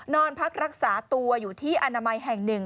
นอนพักรักษาตัวอยู่ที่อนามัยแห่งหนึ่ง